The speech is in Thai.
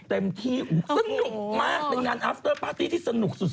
เต็มที่สนุกมากเป็นงานอัฟเตอร์ปาร์ตี้ที่สนุกสุด